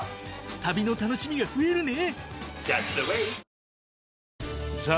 旅の楽しみが増えるね！